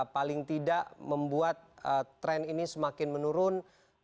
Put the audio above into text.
paling tidak membuat tren ini semakin menurun